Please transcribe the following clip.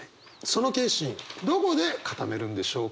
その決心どこで堅めるんでしょうか。